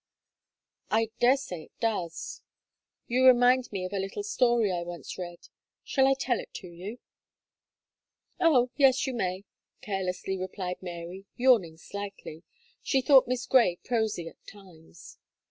"I dare say it does: you remind me of a little story I once read; shall I tell it to you?" "Oh! yes you may," carelessly replied Mary, yawning slightly; she thought Miss Gray prosy at times.